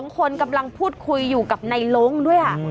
๒คนกำลังพูดคุยอยู่กับในล้งด้วย